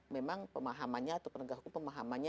memang pemahamannya atau penegak hukum pemahamannya